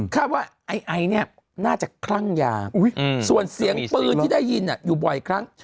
ว่าไอ้ไอเนี่ยน่าจะคลั่งยาส่วนเสียงปืนที่ได้ยินอยู่บ่อยครั้ง